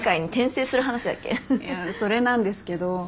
いやそれなんですけど。